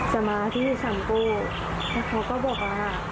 จะมาที่สังโกแล้วเขาก็บอกว่า